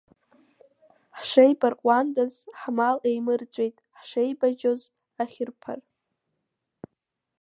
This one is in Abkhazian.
Ҳшеибарҟәандоз ҳмал еимырҵәеит, ҳшеибажьоз ахьырԥар!